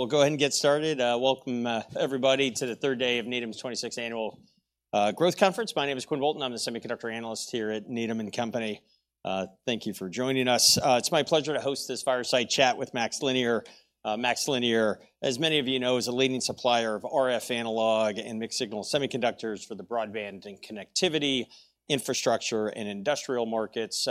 We'll go ahead and get started. Welcome everybody to the third day of Needham's 26th Annual Growth Conference. My name is Quinn Bolton. I'm the semiconductor analyst here at Needham & Company. Thank you for joining us. It's my pleasure to host this fireside chat with MaxLinear. MaxLinear, as many of you know, is a leading supplier of RF analog and mixed-signal semiconductors for the broadband and connectivity, infrastructure, and industrial markets.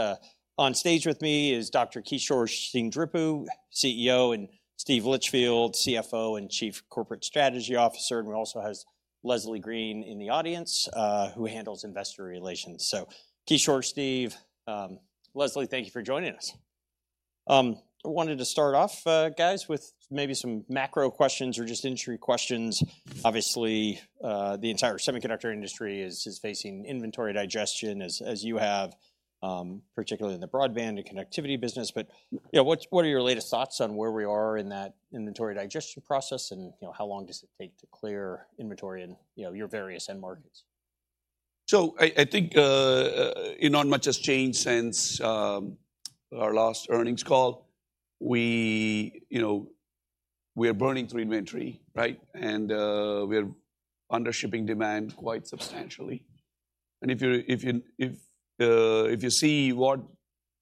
On stage with me is Dr. Kishore Seendripu, CEO, and Steve Litchfield, CFO and Chief Corporate Strategy Officer, and we also have Leslie Green in the audience, who handles investor relations. So Kishore, Steve, Leslie, thank you for joining us. I wanted to start off, guys, with maybe some macro questions or just industry questions. Obviously, the entire semiconductor industry is facing inventory digestion as you have, particularly in the broadband and connectivity business. But, you know, what are your latest thoughts on where we are in that inventory digestion process? And, you know, how long does it take to clear inventory in, you know, your various end markets? So I think, you know, not much has changed since our last earnings call. We, you know, we are burning through inventory, right? And we are under shipping demand quite substantially. And if you see what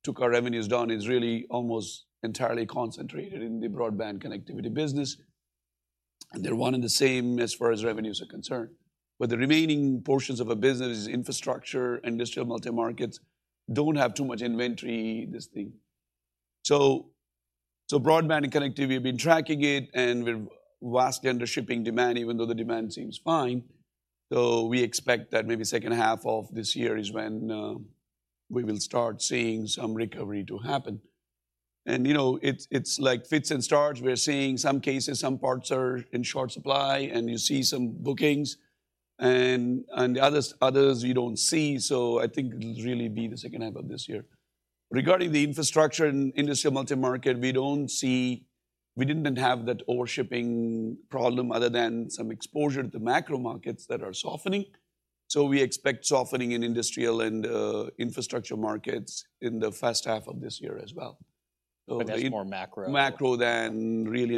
took our revenues down is really almost entirely concentrated in the broadband connectivity business, and they're one and the same as far as revenues are concerned. But the remaining portions of our business is infrastructure, industrial multi-markets don't have too much inventory, this thing. So broadband and connectivity, we've been tracking it, and we're vastly under shipping demand, even though the demand seems fine. So we expect that maybe second half of this year is when we will start seeing some recovery to happen. And, you know, it's like fits and starts. We're seeing some cases, some parts are in short supply, and you see some bookings, and the others you don't see, so I think it'll really be the second half of this year. Regarding the infrastructure and industrial multi-market, we don't see, we didn't have that overshipping problem other than some exposure to the macro markets that are softening. So we expect softening in industrial and infrastructure markets in the first half of this year as well. So- But that's more macro? More macro than really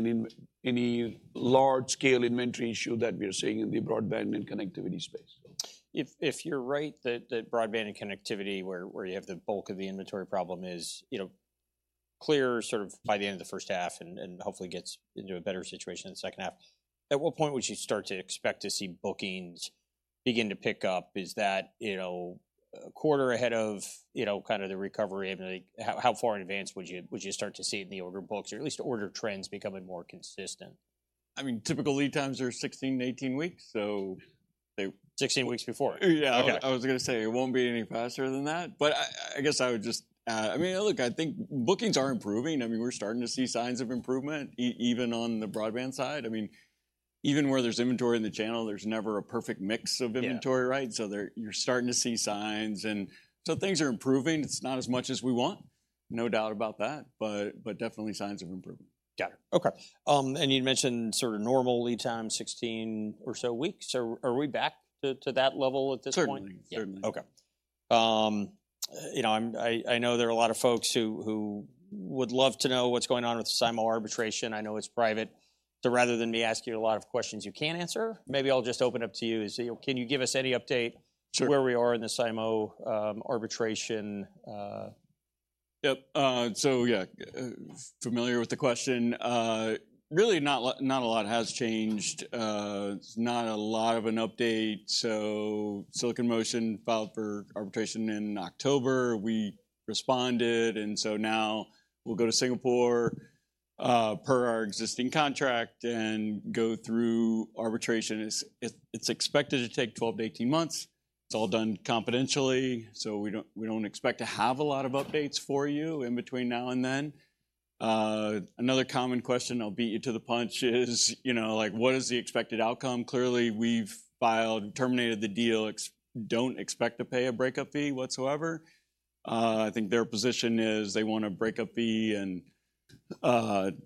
any large-scale inventory issue that we are seeing in the broadband and connectivity space. If you're right that broadband and connectivity, where you have the bulk of the inventory problem is, you know, clear, sort of by the end of the first half, and hopefully gets into a better situation in the second half, at what point would you start to expect to see bookings begin to pick up? Is that, you know, a quarter ahead of, you know, kind of the recovery? And, like, how far in advance would you start to see it in the order books or at least order trends becoming more consistent? I mean, typical lead times are 16-18 weeks, so they- 16 weeks before? Yeah. Okay. I was gonna say, it won't be any faster than that. But I guess I would just... I mean, look, I think bookings are improving. I mean, we're starting to see signs of improvement, even on the broadband side. I mean, even where there's inventory in the channel, there's never a perfect mix of inventory- Yeah... right? So there, you're starting to see signs, and so things are improving. It's not as much as we want, no doubt about that, but definitely signs of improvement. Got it. Okay. You mentioned sort of normal lead time, 16 or so weeks. So are we back to, to that level at this point? Certainly. Yeah. Certainly. Okay. You know, I know there are a lot of folks who would love to know what's going on with the SIMO arbitration. I know it's private, so rather than me ask you a lot of questions you can't answer, maybe I'll just open it up to you. So can you give us any update- Sure... to where we are in the SIMO arbitration? Yep. So yeah, familiar with the question. Really not a lot has changed. It's not a lot of an update. So, Silicon Motion filed for arbitration in October. We responded, and so now we'll go to Singapore, per our existing contract, and go through arbitration. It's expected to take 12-18 months. It's all done confidentially, so we don't expect to have a lot of updates for you in between now and then. Another common question, I'll beat you to the punch, is, you know, like, what is the expected outcome? Clearly, we've filed, terminated the deal, don't expect to pay a breakup fee whatsoever. I think their position is they want a breakup fee and,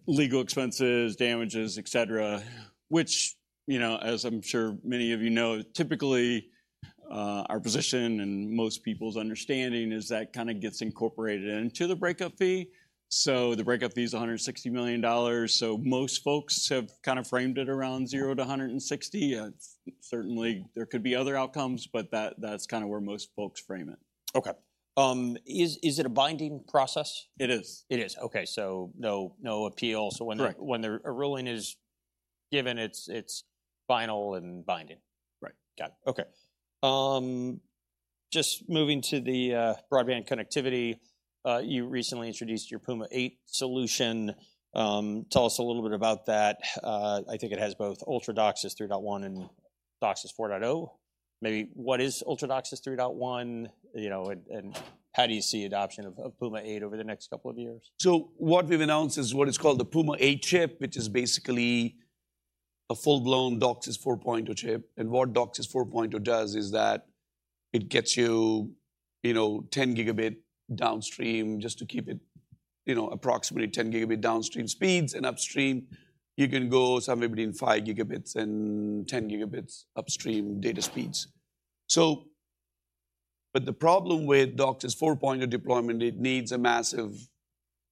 legal expenses, damages, et cetera, which, you know, as I'm sure many of you know, typically, our position and most people's understanding is that kind of gets incorporated into the breakup fee. So the breakup fee is $160 million, so most folks have kind of framed it around $0-$160 million. Certainly, there could be other outcomes, but that, that's kind of where most folks frame it. Okay. Is it a binding process? It is. It is. Okay, so no, no appeal. Correct. When the ruling is given, it's final and binding. Right. Got it. Okay. Just moving to the broadband connectivity, you recently introduced your Puma 8 solution. Tell us a little bit about that. I think it has both Ultra DOCSIS 3.1 and DOCSIS 4.0. Maybe what is Ultra DOCSIS 3.1? You know, and how do you see adoption of Puma 8 over the next couple of years? So what we've announced is what is called the Puma 8 chip, which is basically a full-blown DOCSIS 4.0 chip. And what DOCSIS 4.0 does is that it gets you, you know, 10 Gb downstream just to keep it, you know, approximately 10 Gb downstream speeds. And upstream, you can go somewhere between 5 Gb and 10 Gb upstream data speeds. But the problem with DOCSIS 4.0 deployment, it needs a massive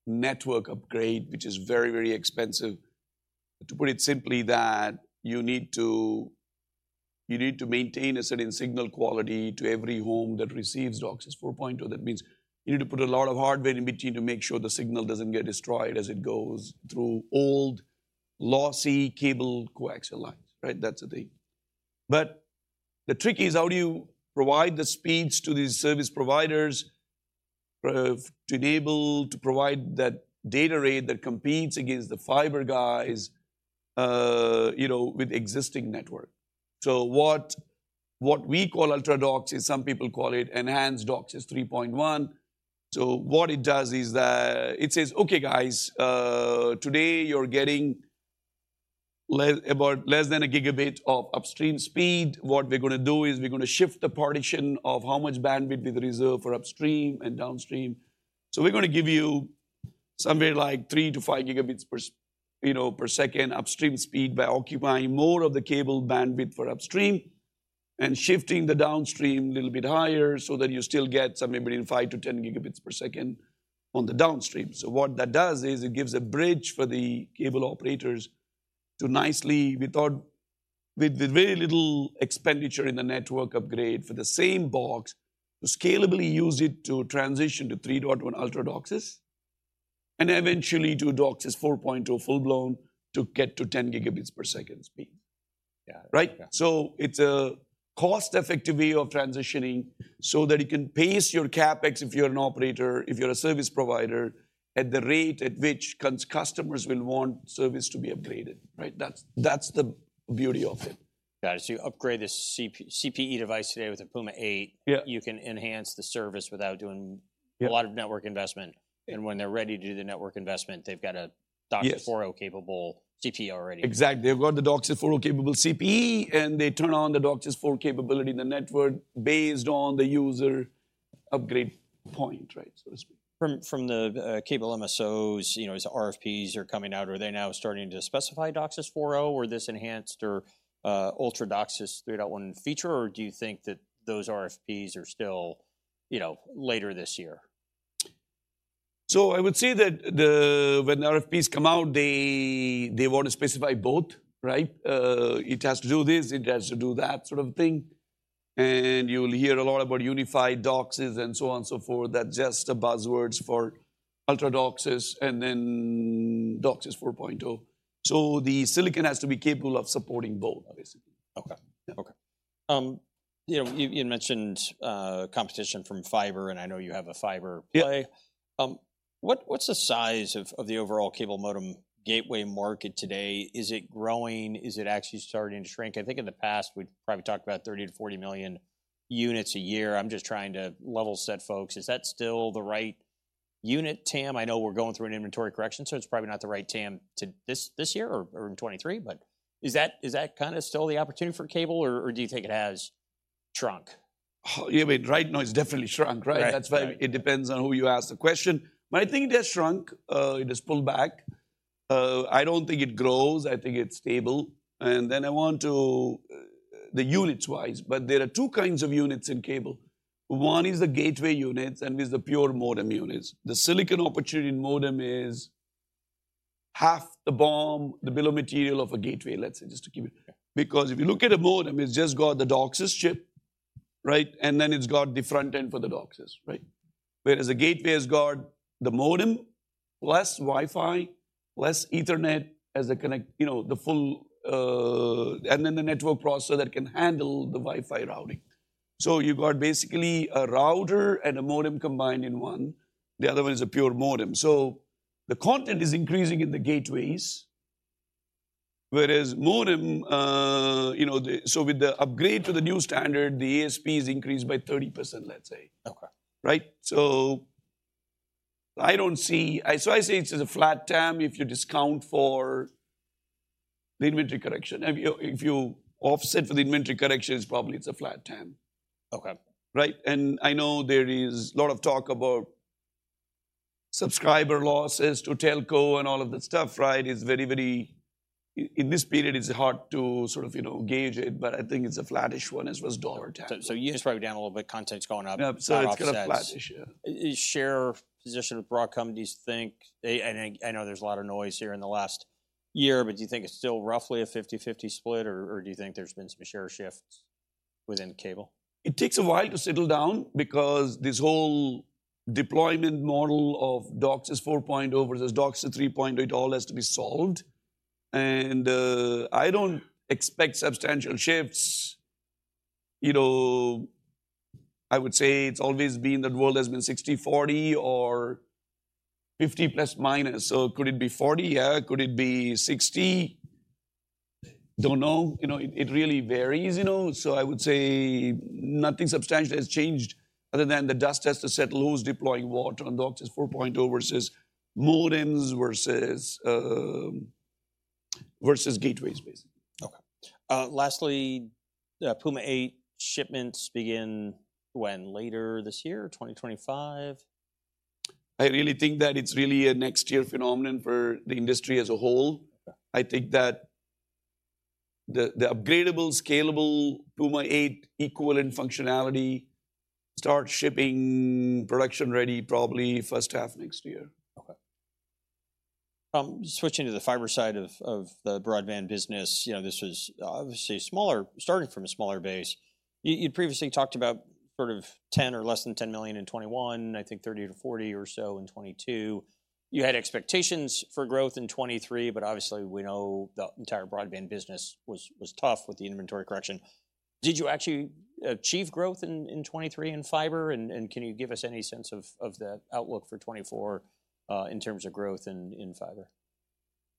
network upgrade, which is very, very expensive. To put it simply, that you need to, you need to maintain a certain signal quality to every home that receives DOCSIS 4.0. That means you need to put a lot of hardware in between to make sure the signal doesn't get destroyed as it goes through old lossy cable coaxial lines, right? That's the thing. But the trick is, how do you provide the speeds to these service providers, to enable to provide that data rate that competes against the fiber guys, you know, with existing network? So what we call Ultra DOCSIS, some people call it enhanced DOCSIS 3.1. So what it does is that it says, "Okay, guys, today you're getting less than about a gigabit of upstream speed. What we're gonna do is we're gonna shift the partition of how much bandwidth we reserve for upstream and downstream. So we're gonna give you somewhere like 3 Gbps-5 Gbps, you know, upstream speed by occupying more of the cable bandwidth for upstream and shifting the downstream a little bit higher so that you still get somewhere between 5 Gbps-10 Gbps on the downstream." So what that does is it gives a bridge for the cable operators to nicely with very little expenditure in the network upgrade for the same box, to scalably use it to transition to 3.1 Ultra DOCSIS and eventually to DOCSIS 4.0, full-blown, to get to 10 Gbps speed. Yeah. Right? Yeah. So it's a cost-effective way of transitioning so that you can pace your CapEx if you're an operator, if you're a service provider, at the rate at which customers will want service to be upgraded, right? That's, that's the beauty of it. Got it. So you upgrade the CPE device today with a Puma 8- Yeah. you can enhance the service without doing- Yeah a lot of network investment. When they're ready to do the network investment, they've got a DOCSIS- Yes 4.0 capable CPE already. Exactly. They've got the DOCSIS 4.0-capable CPE, and they turn on the DOCSIS 4.0 capability in the network based on the user upgrade point, right? So to speak. From the cable MSOs, you know, as RFPs are coming out, are they now starting to specify DOCSIS 4.0 or this enhanced or Ultra DOCSIS 3.1 feature? Or do you think that those RFPs are still, you know, later this year? So I would say that the... when RFPs come out, they want to specify both, right? It has to do this, it has to do that sort of thing. And you'll hear a lot about unified DOCSIS and so on and so forth. That's just the buzzwords for Ultra DOCSIS and then DOCSIS 4.0. So the silicon has to be capable of supporting both, basically. Okay. Yeah. Okay. You know, you mentioned competition from fiber, and I know you have a fiber play. Yeah. What's the size of the overall cable modem gateway market today? Is it growing? Is it actually starting to shrink? I think in the past, we've probably talked about 30-40 million units a year. I'm just trying to level set folks. Is that still the right unit TAM? I know we're going through an inventory correction, so it's probably not the right TAM to this year or in 2023. But is that kind of still the opportunity for cable, or do you think it has shrunk? Oh, yeah, but right now, it's definitely shrunk, right? Right. That's why it depends on who you ask the question. But I think it has shrunk, it has pulled back. I don't think it grows, I think it's stable. And then I want to, the units-wise, but there are two kinds of units in cable. One is the gateway units, and there's the pure modem units. The silicon opportunity in modem is half the BOM, the bill of material of a gateway, let's say, just to keep it- Yeah... because if you look at a modem, it's just got the DOCSIS chip, right? And then it's got the front end for the DOCSIS, right? Whereas a gateway has got the modem, plus Wi-Fi, plus Ethernet as a connect, you know, the full, and then the network processor that can handle the Wi-Fi routing. So you've got basically a router and a modem combined in one. The other one is a pure modem. So the content is increasing in the gateways, whereas modem, you know, the... So with the upgrade to the new standard, the ASP is increased by 30%, let's say. Okay. Right? So I don't see... So I say it's a flat TAM, if you discount for the inventory correction. If you offset for the inventory correction, it's probably a flat TAM. Okay. Right, and I know there is a lot of talk about subscriber losses to telco and all of that stuff, right? It's very, very... in this period, it's hard to sort of, you know, gauge it, but I think it's a flattish one as well as dollar TAM. So, units probably down a little bit, content's going up- Yeah, so it's kind of flattish, yeah. Is share position of Broadcom, do you think... I, I think, I know there's a lot of noise here in the last year, but do you think it's still roughly a 50/50 split, or, or do you think there's been some share shifts within cable? It takes a while to settle down because this whole deployment model of DOCSIS 4.0 versus DOCSIS 3.1, it all has to be solved. And, I don't expect substantial shifts. You know, I would say it's always been, the world has been 60/40 or 50 ±. So could it be 40? Yeah. Could it be 60? Don't know. You know, it, it really varies, you know. So I would say nothing substantial has changed other than the dust has to settle who's deploying what on DOCSIS 4.0 versus modems versus gateways, basically. Okay. Lastly, Puma 8 shipments begin when? Later this year, 2025? I really think that it's really a next year phenomenon for the industry as a whole. Yeah. I think the upgradable, scalable Puma 8 equivalent functionality starts shipping production-ready probably first half next year. Okay. Switching to the fiber side of the broadband business, you know, this was obviously smaller, starting from a smaller base. You'd previously talked about sort of $10 or less than $10 million in 2021, I think $30-$40 million or so in 2022. You had expectations for growth in 2023, but obviously, we know the entire broadband business was tough with the inventory correction. Did you actually achieve growth in 2023 in fiber? And can you give us any sense of the outlook for 2024 in terms of growth in fiber?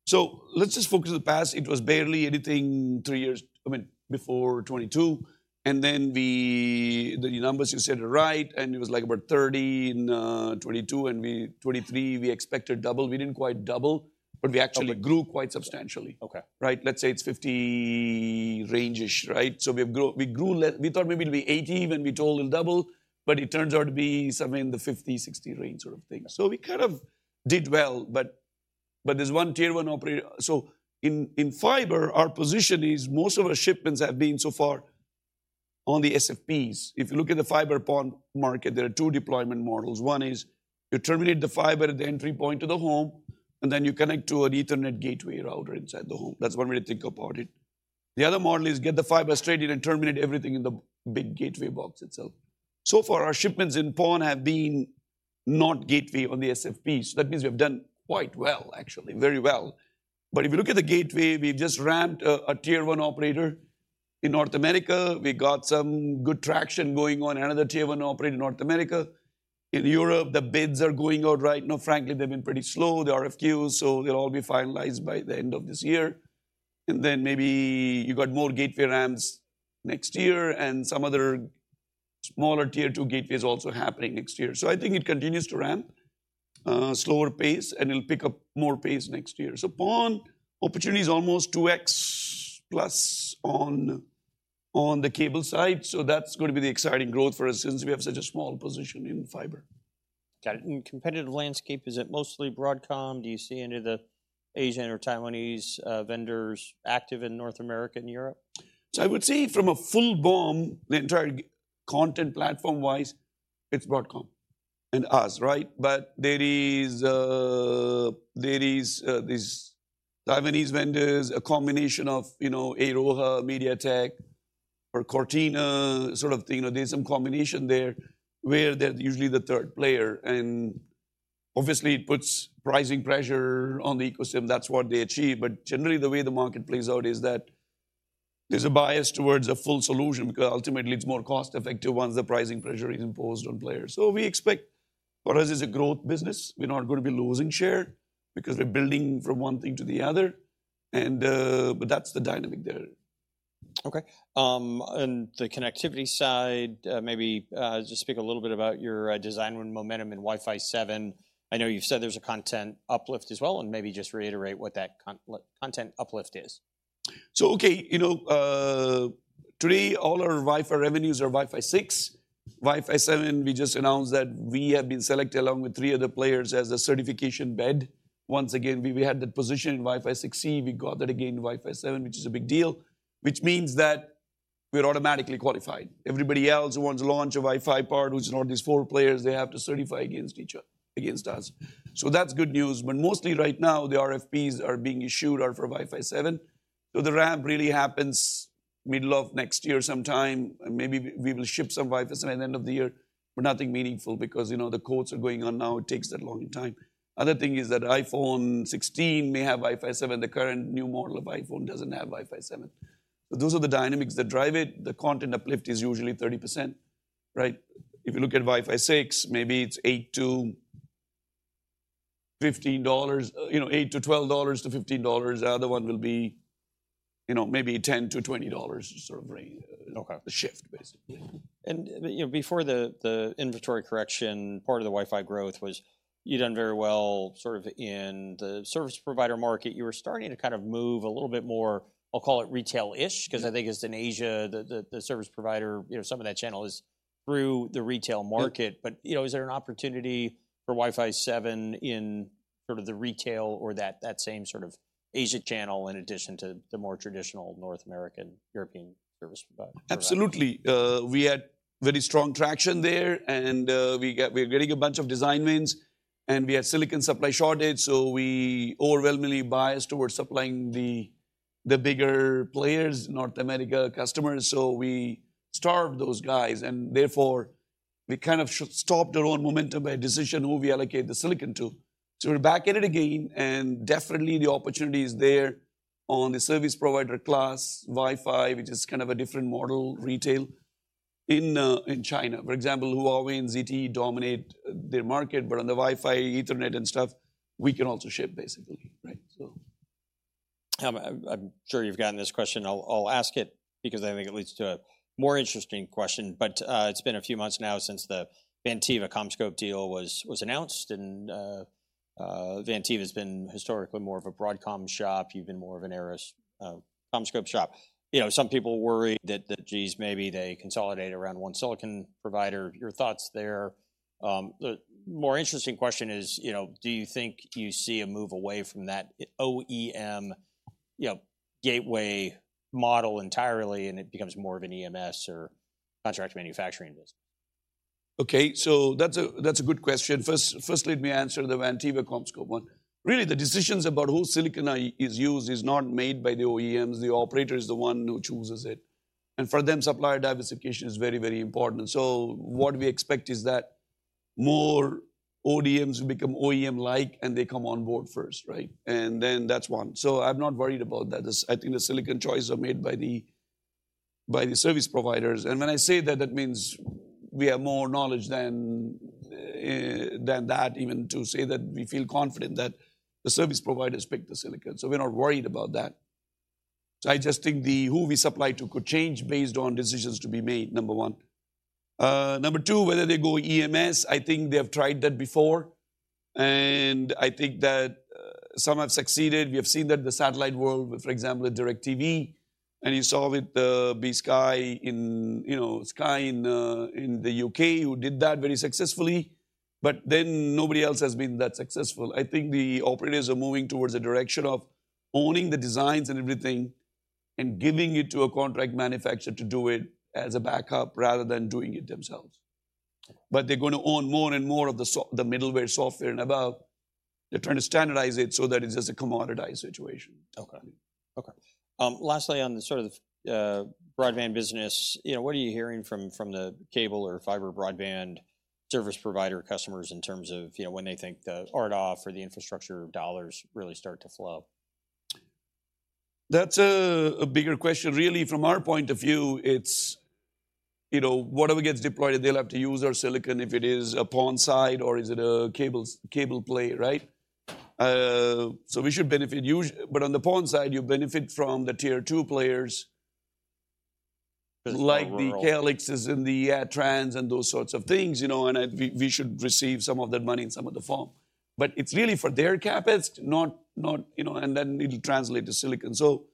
So let's just focus on the past. It was barely anything three years—I mean, before 2022, and then the numbers you said are right, and it was like about $30 million in 2022, and we—2023, we expected double. We didn't quite double, but we actually- Okay. grew quite substantially. Okay. Right? Let's say it's $50 million range-ish, right? So we grew less. We thought maybe it'll be $80 million when we told it'll double, but it turns out to be somewhere in the $50 million-$60 million range sort of thing. Okay. So we kind of did well, but, but there's one Tier One operator. So in, in fiber, our position is most of our shipments have been so far on the SFPs. If you look at the fiber PON market, there are two deployment models. One is you terminate the fiber at the entry point to the home, and then you connect to an Ethernet gateway router inside the home. That's one way to think about it. The other model is get the fiber straight in and terminate everything in the big gateway box itself. So far, our shipments in PON have been not gateway on the SFPs. That means we've done quite well, actually, very well. But if you look at the gateway, we've just ramped a, a Tier One operator in North America. We got some good traction going on, another Tier One operator in North America. In Europe, the bids are going out right now. Frankly, they've been pretty slow, the RFQs, so they'll all be finalized by the end of this year. And then maybe you got more gateway ramps next year and some other smaller Tier Two gateways also happening next year. So I think it continues to ramp, slower pace, and it'll pick up more pace next year. So PON opportunity is almost 2x+ on the cable side, so that's going to be the exciting growth for us since we have such a small position in fiber. Got it. In competitive landscape, is it mostly Broadcom? Do you see any of the Asian or Taiwanese vendors active in North America and Europe? So I would say from a full BOM, the entire content platform-wise, it's Broadcom and us, right? But there is these Taiwanese vendors, a combination of, you know, Airoha, MediaTek or Cortina sort of thing. You know, there's some combination there where they're usually the third player, and obviously, it puts pricing pressure on the ecosystem. That's what they achieve. But generally, the way the market plays out is that there's a bias towards a full solution because ultimately it's more cost-effective once the pricing pressure is imposed on players. So we expect for us, it's a growth business. We're not going to be losing share because we're building from one thing to the other, and... But that's the dynamic there. Okay. On the connectivity side, maybe just speak a little bit about your design win momentum in Wi-Fi 7. I know you've said there's a content uplift as well, and maybe just reiterate what that content uplift is. So, okay, you know, today, all our Wi-Fi revenues are Wi-Fi 6. Wi-Fi 7, we just announced that we have been selected, along with three other players, as a certification bed. Once again, we had that position in Wi-Fi 6E. We got that again in Wi-Fi 7, which is a big deal, which means that we're automatically qualified. Everybody else who wants to launch a Wi-Fi product, who's not these four players, they have to certify against each other, against us. So that's good news, but mostly right now, the RFPs are being issued are for Wi-Fi 7. So the ramp really happens middle of next year sometime, and maybe we will ship some Wi-Fi 7 at the end of the year, but nothing meaningful because, you know, the quotes are going on now. It takes a long time. Another thing is that iPhone 16 may have Wi-Fi 7. The current new model of iPhone doesn't have Wi-Fi 7. So those are the dynamics that drive it. The content uplift is usually 30%, right? If you look at Wi-Fi 6, maybe it's $8-$15, you know, $8-$12 to $15. The other one will be, you know, maybe $10-$20 sort of range. Okay. The shift, basically. And, you know, before the inventory correction, part of the Wi-Fi growth was you'd done very well, sort of in the service provider market. You were starting to kind of move a little bit more, I'll call it retail-ish- Yeah. because I think it's in Asia, the service provider, you know, some of that channel is through the retail market. Yeah. But, you know, is there an opportunity for Wi-Fi 7 in sort of the retail or that, that same sort of Asia channel, in addition to the more traditional North American, European service provider? Absolutely. We had very strong traction there, and we're getting a bunch of design wins, and we had silicon supply shortage, so we overwhelmingly biased towards supplying the, the bigger players, North America customers. So we starved those guys, and therefore, we kind of stopped our own momentum by a decision who we allocate the silicon to. So we're back at it again, and definitely the opportunity is there on the service provider class, Wi-Fi, which is kind of a different model, retail. In, in China, for example, Huawei and ZTE dominate the market, but on the Wi-Fi, Ethernet, and stuff, we can also ship basically, right? So... I'm sure you've gotten this question. I'll ask it because I think it leads to a more interesting question. But, it's been a few months now since the Vantiva-CommScope deal was announced, and, Vantiva's been historically more of a Broadcom shop. You've been more of an Arris, CommScope shop. You know, some people worry that, geez, maybe they consolidate around one silicon provider. Your thoughts there? The more interesting question is, you know, do you think you see a move away from that OEM, you know, gateway model entirely, and it becomes more of an EMS or contract manufacturing business? Okay, so that's a, that's a good question. First, firstly, let me answer the Vantiva-CommScope one. Really, the decisions about whose silicon is used is not made by the OEMs. The operator is the one who chooses it, and for them, supplier diversification is very, very important. So what we expect is that more ODMs will become OEM-like, and they come on board first, right? And then that's one. So I'm not worried about that. As I think the silicon choices are made by the, by the service providers. And when I say that, that means we have more knowledge than, than that, even to say that we feel confident that the service providers pick the silicon. So we're not worried about that. So I just think the, who we supply to could change based on decisions to be made, number one. Number two, whether they go EMS, I think they have tried that before, and I think that some have succeeded. We have seen that the satellite world, for example, with DirecTV, and you saw with BSkyB in, you know, Sky in the UK, who did that very successfully, but then nobody else has been that successful. I think the operators are moving towards a direction of owning the designs and everything and giving it to a contract manufacturer to do it as a backup, rather than doing it themselves. But they're gonna own more and more of the middleware software and above. They're trying to standardize it so that it's just a commoditized situation. Okay. Okay. Lastly, on the sort of broadband business, you know, what are you hearing from the cable or fiber broadband service provider customers in terms of, you know, when they think the RDOF or the infrastructure dollars really start to flow? That's a bigger question. Really, from our point of view, it's, you know, whatever gets deployed, they'll have to use our silicon if it is a PON side or is it a cable, cable play, right? So we should benefit but on the PON side, you benefit from the tier two players- Like the-... Calix's and the Arris's and those sorts of things, you know, and we should receive some of that money in some form. But it's really for their CapEx, not, you know, and then it'll translate to silicon. So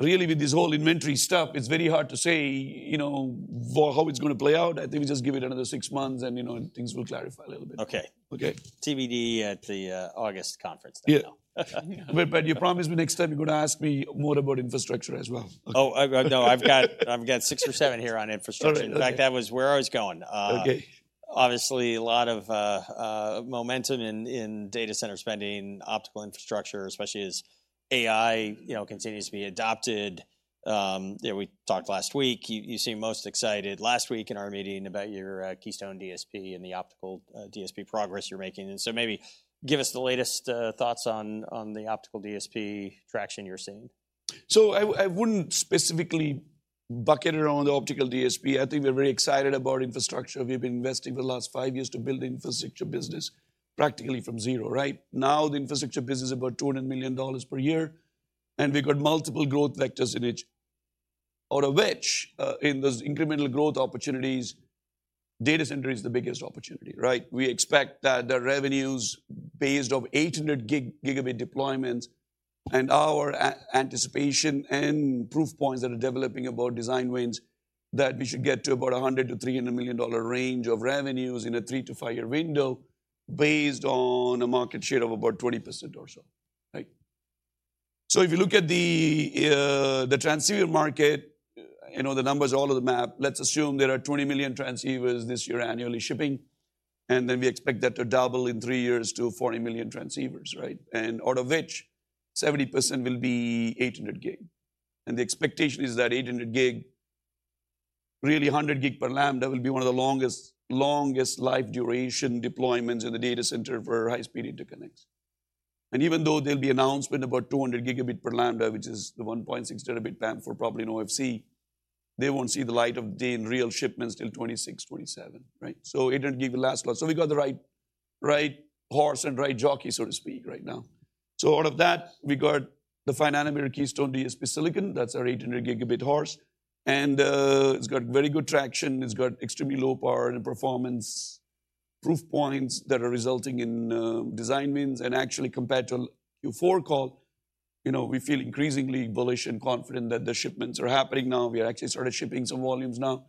really, with this whole inventory stuff, it's very hard to say, you know, for how it's gonna play out. I think we just give it another six months and, you know, things will clarify a little bit. Okay. Okay. TBD at the August conference then. Yeah. But you promise me next time you're gonna ask me more about infrastructure as well. Oh, no, I've got six or seven here on infrastructure. All right. Okay. In fact, that was where I was going. Okay. Obviously, a lot of momentum in data center spending, optical infrastructure, especially as AI, you know, continues to be adopted. You know, we talked last week, you seemed most excited last week in our meeting about your Keystone DSP and the optical DSP progress you're making. And so maybe give us the latest thoughts on the optical DSP traction you're seeing. So I wouldn't specifically bucket it around the optical DSP. I think we're very excited about infrastructure. We've been investing for the last five years to build the infrastructure business, practically from zero, right? Now, the infrastructure business is about $200 million per year, and we got multiple growth vectors in each. Out of which, in those incremental growth opportunities, data center is the biggest opportunity, right? We expect that the revenues based on 800 Gb deployments and our anticipation and proof points that are developing about design wins, that we should get to about a $100-$300 million range of revenues in a 3- to 5-year window, based on a market share of about 20% or so. Right? So if you look at the transceiver market, you know, the numbers are all over the map. Let's assume there are 20 million transceivers this year annually shipping, and then we expect that to double in three years to 40 million transceivers, right? And out of which, 70% will be 800G. And the expectation is that 800G, really 100G per lambda, will be one of the longest, longest life duration deployments in the data center for high-speed interconnects. And even though there'll be announcement about 200 gigabit per lambda, which is the 1.6T PAM4, probably in OFC, they won't see the light of day in real shipments till 2026, 2027, right? So it didn't give the last lot. So we got the right, right horse and right jockey, so to speak, right now. So out of that, we got the 5 nm Keystone DSP silicon. That's our 800G horse, and it's got very good traction. It's got extremely low power and performance proof points that are resulting in design wins. Actually, compared to Q4 call, you know, we feel increasingly bullish and confident that the shipments are happening now. We actually started shipping some volumes now,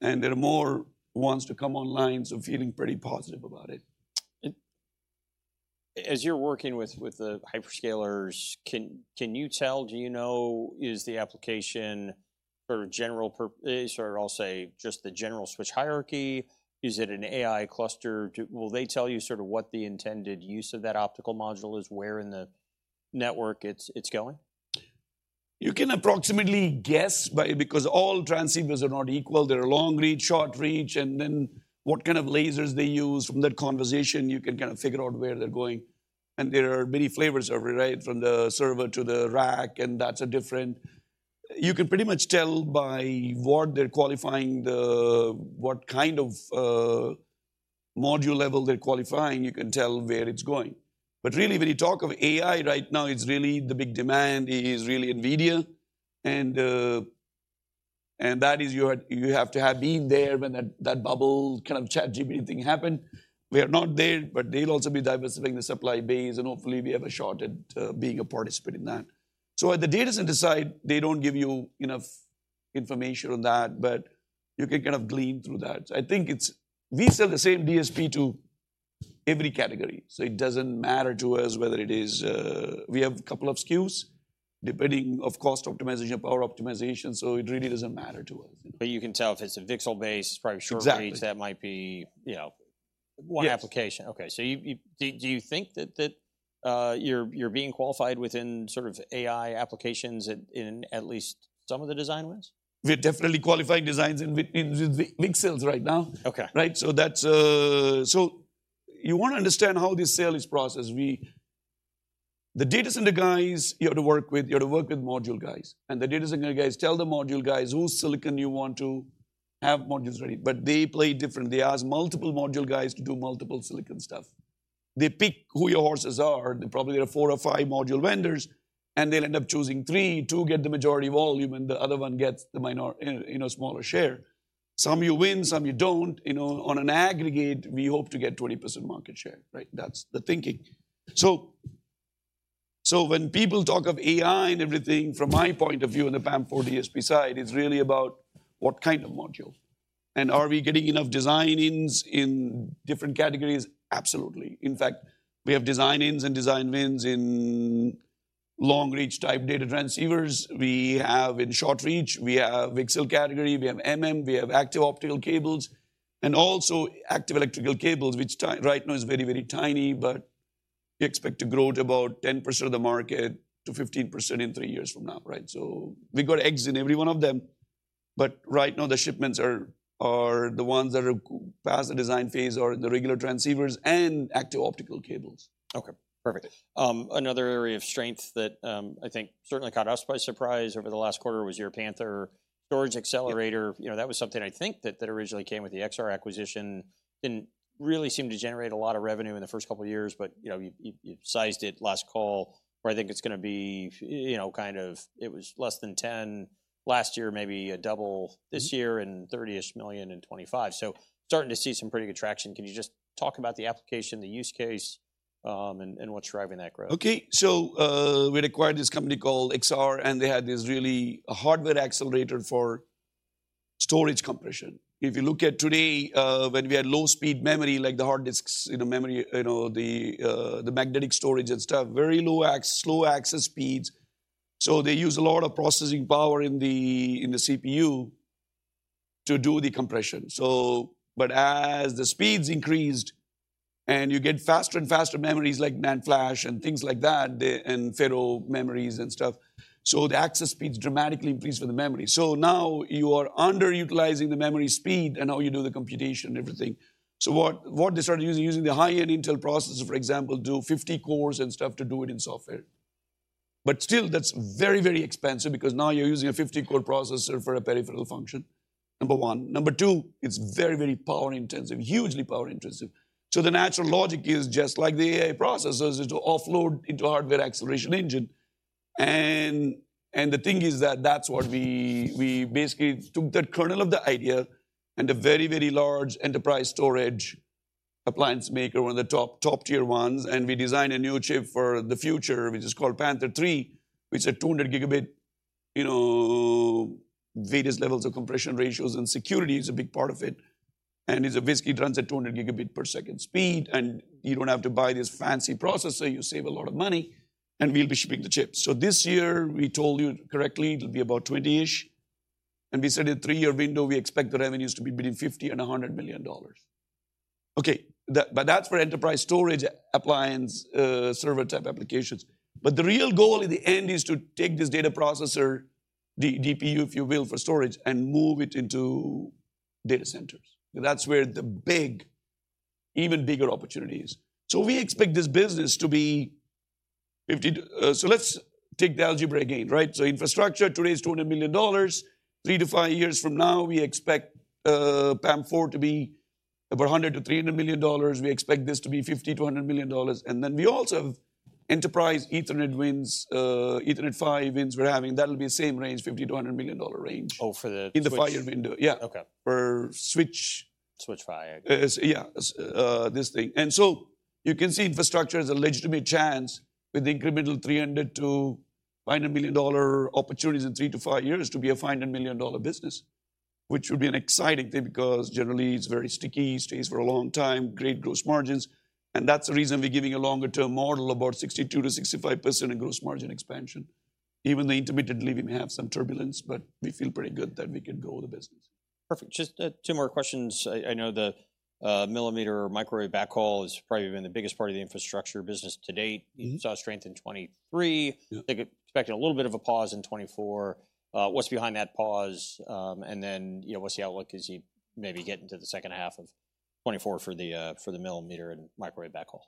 and there are more ones to come online, so feeling pretty positive about it. As you're working with the hyperscalers, can you tell, do you know, is the application for general purpose—or I'll say, just the general switch hierarchy, is it an AI cluster too... Will they tell you sort of what the intended use of that optical module is, where in the network it's going? You can approximately guess, but because all transceivers are not equal, they're long reach, short reach, and then what kind of lasers they use. From that conversation, you can kind of figure out where they're going. And there are many flavors of it, right? From the server to the rack, and that's a different. You can pretty much tell by what they're qualifying the, what kind of, module level they're qualifying, you can tell where it's going. But really, when you talk of AI right now, it's really the big demand is really NVIDIA, and, and that is you had—you have to have been there when that, that bubble, kind of ChatGPT thing happened. We are not there, but they'll also be diversifying the supply base, and hopefully, we have a shot at, being a participant in that. So at the data center side, they don't give you enough information on that, but you can kind of glean through that. I think it's we sell the same DSP to every category, so it doesn't matter to us whether it is, we have a couple of SKUs, depending, of course, optimization, power optimization, so it really doesn't matter to us. But you can tell if it's a VCSEL-based, probably short- Exactly. That might be, you know- Yes... one application. Okay. So do you think that you're being qualified within sort of AI applications in at least some of the design wins? We're definitely qualifying designs in VCSELs right now. Okay. Right? So that's... So you want to understand how this sale is processed. We, the data center guys you have to work with, you have to work with module guys. And the data center guys tell the module guys whose silicon you want to have modules ready, but they play different. They ask multiple module guys to do multiple silicon stuff. They pick who your horses are. They probably have four or five module vendors, and they'll end up choosing three. Two get the majority volume, and the other one gets the minor, you know, you know, smaller share. Some you win, some you don't. You know, on an aggregate, we hope to get 20% market share, right? That's the thinking. So, so when people talk of AI and everything, from my point of view, on the PAM4 DSP side, it's really about what kind of module. Are we getting enough design-ins in different categories? Absolutely. In fact, we have design-ins and design wins in long-reach type data transceivers. We have in short-reach, we have VCSEL category, we have MM, we have active optical cables, and also active electrical cables, which right now is very, very tiny, but we expect to grow to about 10%-15% of the market in three years from now, right? So we got eggs in every one of them, but right now, the shipments are the ones that are getting past the design phase or the regular transceivers and active optical cables. Okay, perfect. Another area of strength that, I think certainly caught us by surprise over the last quarter was your Panther storage accelerator. Yep. You know, that was something I think that originally came with the Exar acquisition. Didn't really seem to generate a lot of revenue in the first couple of years, but, you know, you sized it last call, where I think it's gonna be, you know, kind of, it was less than $10 million, maybe a double this year- Mm-hmm... and $30-ish million in 2025. So starting to see some pretty good traction. Can you just talk about the application, the use case, and what's driving that growth? Okay. So, we acquired this company called Exar, and they had this really a hardware accelerator for storage compression. If you look at today, when we had low-speed memory, like the hard disks, you know, memory, you know, the magnetic storage and stuff, very low slow access speeds. So they use a lot of processing power in the, in the CPU to do the compression. So, but as the speeds increased and you get faster and faster memories like NAND flash and things like that, the, and ferro memories and stuff, so the access speeds dramatically increase with the memory. So now you are underutilizing the memory speed and how you do the computation and everything. So what they started using, using the high-end Intel processor, for example, do 50 cores and stuff to do it in software. But still, that's very, very expensive because now you're using a 50-core processor for a peripheral function, number one. Number two, it's very, very power intensive, hugely power intensive. So the natural logic is just like the AI processors, is to offload into a hardware acceleration engine. And, and the thing is that that's what we, we basically took that kernel of the idea and a very, very large enterprise storage appliance maker, one of the top, top-tier ones, and we designed a new chip for the future, which is called Panther III, which is a 200 Gb, you know, various levels of compression ratios, and security is a big part of it. And it basically runs at 200 Gbps, and you don't have to buy this fancy processor. You save a lot of money, and we'll be shipping the chips. So this year, we told you correctly, it'll be about $20 million-ish, and we said a three-year window, we expect the revenues to be between $50 million and $100 million. Okay, that, but that's for enterprise storage appliance, server-type applications. But the real goal in the end is to take this data processor, the DPU, if you will, for storage, and move it into data centers. That's where the big, even bigger opportunity is. So we expect this business to be $50 million to. So let's take the algebra again, right? So infrastructure today is $200 million. three to five years from now, we expect, PAM4 to be over $100 million-$300 million. We expect this to be $50-$100 million, and then we also have enterprise Ethernet wins, Ethernet PHY wins we're having. That'll be the same range, $50 million-$100 million range. Oh, for the switch? In the five-year window. Yeah. Okay. For switch. Switch 5. This thing. And so you can see infrastructure has a legitimate chance with incremental $300 million-$500 million opportunities in three to five years to be a $500 million business, which would be an exciting thing because generally, it's very sticky, stays for a long time, great gross margins. And that's the reason we're giving a longer-term model, about 62%-65% in gross margin expansion. Even though intermittently, we may have some turbulence, but we feel pretty good that we could grow the business. Perfect. Just two more questions. I know the millimeter microwave backhaul has probably been the biggest part of the infrastructure business to date. Mm-hmm. You saw strength in 2023. Yeah. I think expecting a little bit of a pause in 2024. What's behind that pause? And then, you know, what's the outlook as you maybe get into the second half of 2024 for the millimeter and microwave backhaul?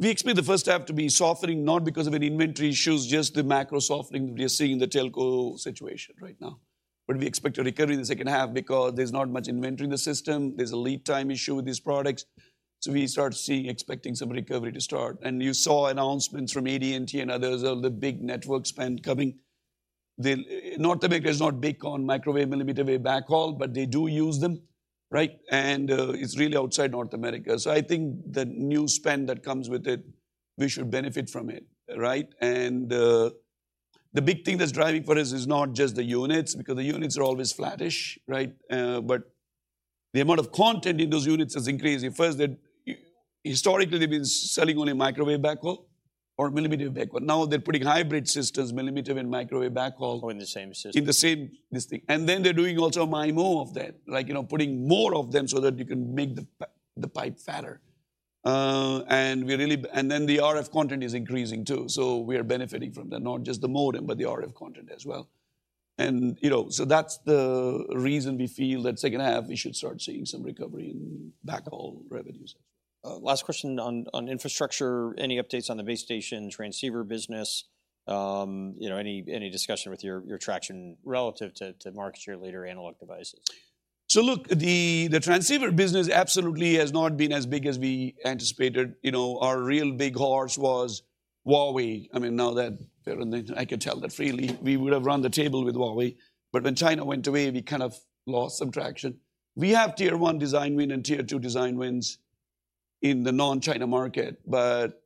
We expect the first half to be softening, not because of any inventory issues, just the macro softening we are seeing in the telco situation right now. But we expect a recovery in the second half because there's not much inventory in the system. There's a lead time issue with these products, so we start seeing, expecting some recovery to start. And you saw announcements from AT&T and others of the big network spend coming to... The North America is not big on microwave, millimeter wave backhaul, but they do use them, right? And it's really outside North America. So I think the new spend that comes with it, we should benefit from it, right? And the big thing that's driving for us is not just the units, because the units are always flattish, right? But the amount of content in those units is increasing. First, historically, they've been selling only microwave backhaul or millimeter backhaul. Now they're putting hybrid systems, millimeter and microwave backhaul- Oh, in the same system. In the same thing. And then they're doing also MIMO of that, like, you know, putting more of them so that you can make the pipe fatter. And then the RF content is increasing too, so we are benefiting from that. Not just the modem, but the RF content as well. And, you know, so that's the reason we feel that second half we should start seeing some recovery in backhaul revenues. Last question on infrastructure. Any updates on the base station transceiver business? You know, any discussion with your traction relative to market share leader Analog Devices? So look, the transceiver business absolutely has not been as big as we anticipated. You know, our real big horse was Huawei. I mean, now that they're on the... I can tell that freely. We would have run the table with Huawei, but when China went away, we kind of lost some traction. We have tier one design win and tier two design wins in the non-China market, but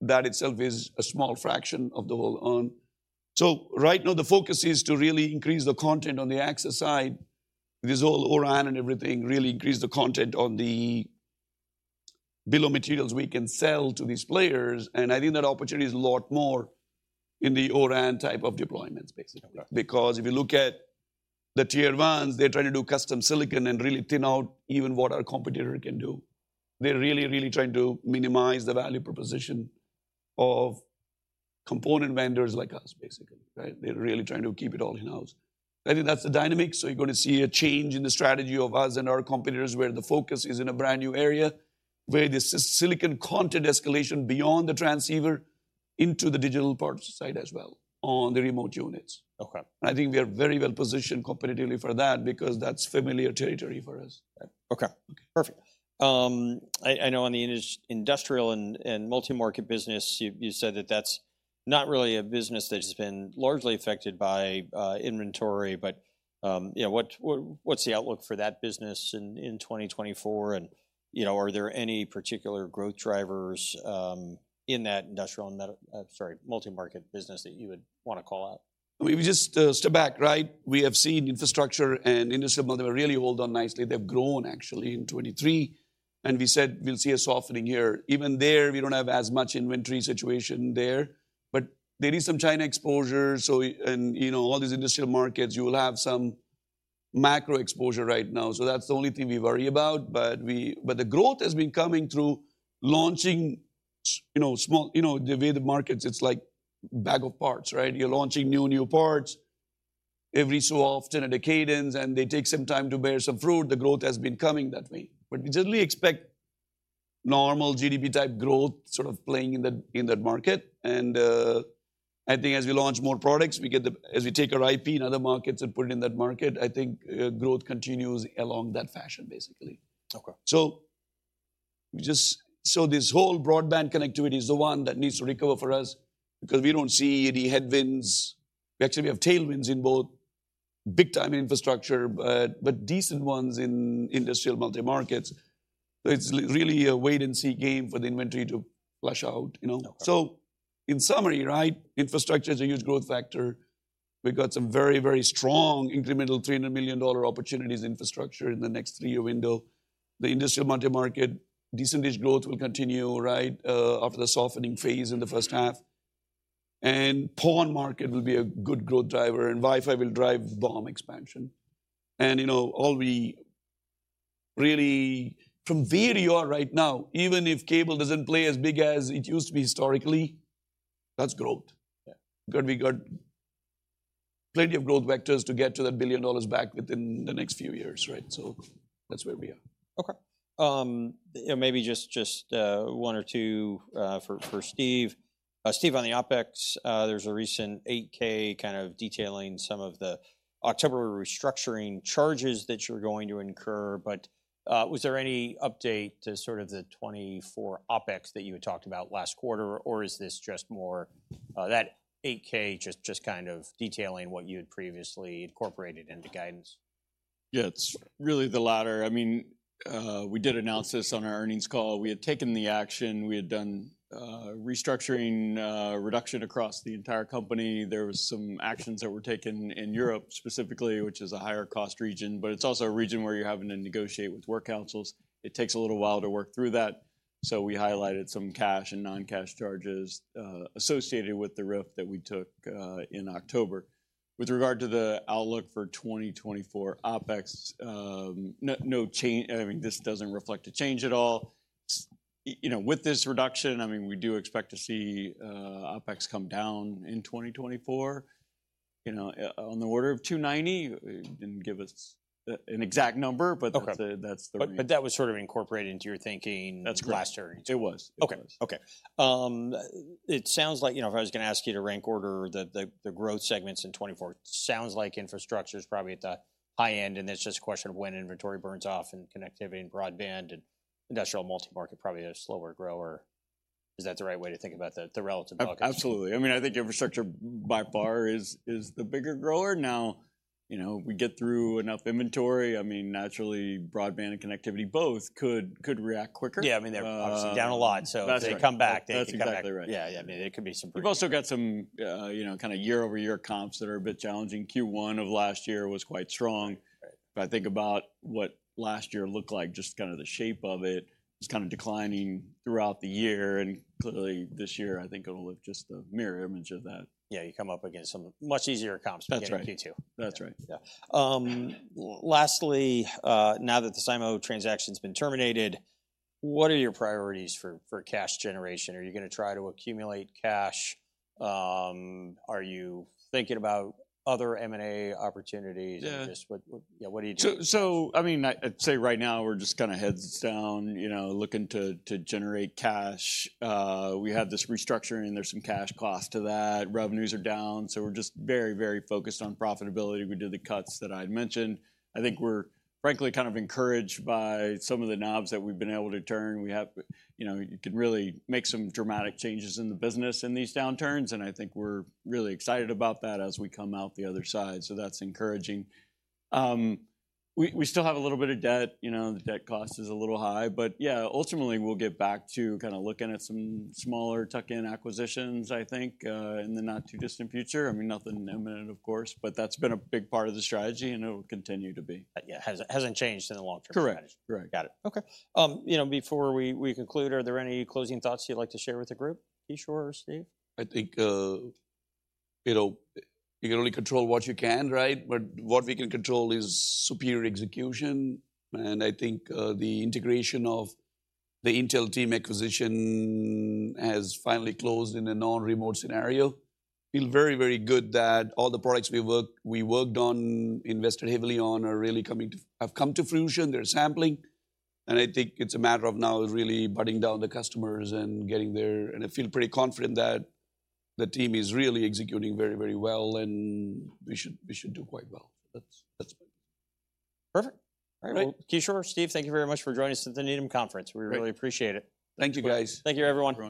that itself is a small fraction of the whole arm. So right now the focus is to really increase the content on the access side, this whole O-RAN and everything, really increase the content on the bill of materials we can sell to these players. And I think that opportunity is a lot more in the O-RAN type of deployment space. Okay. Because if you look at the tier ones, they're trying to do custom silicon and really thin out even what our competitor can do. They're really, really trying to minimize the value proposition of component vendors like us, basically, right? They're really trying to keep it all in-house. I think that's the dynamic, so you're going to see a change in the strategy of us and our competitors, where the focus is in a brand-new area, where this silicon content escalation beyond the transceiver into the digital parts side as well on the remote units. Okay. I think we are very well positioned competitively for that because that's familiar territory for us. Okay. Okay. Perfect. I know on the industrial and multi-market business, you said that that's not really a business that has been largely affected by inventory. But, you know, what's the outlook for that business in 2024? And, you know, are there any particular growth drivers in that industrial and multi-market business that you would want to call out? If we just step back, right? We have seen infrastructure and industrial market really hold on nicely. They've grown actually in 2023, and we said we'll see a softening here. Even there, we don't have as much inventory situation there, but there is some China exposure, so, and, you know, all these industrial markets, you will have some macro exposure right now. So that's the only thing we worry about. But we-- but the growth has been coming through launching you know, small... You know, the way the markets, it's like bag of parts, right? You're launching new, new parts every so often at a cadence, and they take some time to bear some fruit. The growth has been coming that way. But we generally expect normal GDP-type growth sort of playing in that, in that market. I think as we launch more products, as we take our IP in other markets and put it in that market, I think growth continues along that fashion, basically. Okay. So this whole broadband connectivity is the one that needs to recover for us because we don't see any headwinds. We actually have tailwinds in both big time infrastructure, but decent ones in industrial multi-markets. It's really a wait-and-see game for the inventory to flush out, you know? Okay. So in summary, right, infrastructure is a huge growth factor. We've got some very, very strong incremental $300 million opportunities infrastructure in the next three-year window. The industrial multi-market, decentish growth will continue, right, after the softening phase in the first half. And PON market will be a good growth driver, and Wi-Fi will drive BOM expansion. And, you know, all we really... From where we are right now, even if cable doesn't play as big as it used to be historically, that's growth. Yeah. Good. We got plenty of growth vectors to get to that $1 billion back within the next few years, right? So that's where we are. Okay. And maybe just one or two for Steve. Steve, on the OpEx, there's a recent 8-K kind of detailing some of the October restructuring charges that you're going to incur. But was there any update to sort of the 24 OpEx that you had talked about last quarter? Or is this just more that 8-K just kind of detailing what you had previously incorporated into guidance? Yeah, it's really the latter. I mean, we did announce this on our earnings call. We had taken the action. We had done restructuring, reduction across the entire company. There was some actions that were taken in Europe specifically, which is a higher cost region, but it's also a region where you're having to negotiate with work councils. It takes a little while to work through that. So we highlighted some cash and non-cash charges associated with the RIF that we took in October. With regard to the outlook for 2024 OpEx, no, no change. I mean, this doesn't reflect a change at all. You know, with this reduction, I mean, we do expect to see OpEx come down in 2024, you know, on the order of $290 million. They didn't give us an exact number, but- Okay. That's the- But that was sort of incorporated into your thinking- That's correct. Last year. It was. Okay. It was. Okay. It sounds like, you know, if I was gonna ask you to rank order the growth segments in 2024, sounds like infrastructure is probably at the high end, and it's just a question of when inventory burns off and connectivity and broadband and industrial multi-market probably a slower grower.... Is that the right way to think about the relative allocation? Absolutely. I mean, I think infrastructure by far is the bigger grower. Now, you know, we get through enough inventory. I mean, naturally, broadband and connectivity both could react quicker. Yeah, I mean, they're obviously down a lot. That's right. If they come back, they can come back- That's exactly right. Yeah, yeah. I mean, there could be some- We've also got some, you know, kind of year-over-year comps that are a bit challenging. Q1 of last year was quite strong. Right. If I think about what last year looked like, just kind of the shape of it, it was kind of declining throughout the year, and clearly this year I think it'll look just the mirror image of that. Yeah, you come up against some much easier comps- That's right... beginning in Q2. That's right. Yeah. Lastly, now that the SIMO transaction's been terminated, what are your priorities for cash generation? Are you gonna try to accumulate cash? Are you thinking about other M&A opportunities- Yeah... and just what are you doing? So, I mean, I'd say right now we're just kind of heads down, you know, looking to generate cash. We have this restructuring, there's some cash costs to that. Revenues are down, so we're just very, very focused on profitability. We did the cuts that I had mentioned. I think we're frankly kind of encouraged by some of the knobs that we've been able to turn. We have, you know, you can really make some dramatic changes in the business in these downturns, and I think we're really excited about that as we come out the other side, so that's encouraging. We still have a little bit of debt. You know, the debt cost is a little high, but yeah, ultimately we'll get back to kind of looking at some smaller tuck-in acquisitions, I think, in the not-too-distant future. I mean, nothing imminent, of course, but that's been a big part of the strategy, and it will continue to be. Yeah. Hasn't changed in the long-term strategy. Correct. Correct. Got it. Okay. You know, before we conclude, are there any closing thoughts you'd like to share with the group, Kishore or Steve? I think, you know, you can only control what you can, right? But what we can control is superior execution, and I think the integration of the Intel team acquisition has finally closed in a non-remote scenario. I feel very, very good that all the products we worked on, invested heavily on, are really coming to fruition, have come to fruition. They're sampling, and I think it's a matter of now really bedding down the customers and getting there, and I feel pretty confident that the team is really executing very, very well, and we should do quite well. That's my- Perfect. All right. Great. Kishore, Steve, thank you very much for joining us at the Needham Conference. Great. We really appreciate it. Thank you, guys. Thank you, everyone.